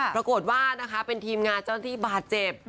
ปรากฏว่านะคะเป็นทีมงานเจ้าหน้าที่บาดเจ็บ